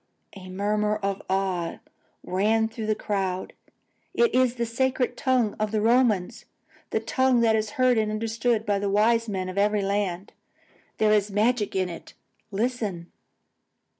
"_ A murmur of awe ran through the crowd. "It is the sacred tongue of the Romans: the tongue that is heard and understood by the wise men of every land. There is magic in it. Listen!"